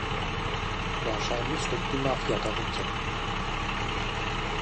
Wahrscheinlich steckt die Mafia dahinter.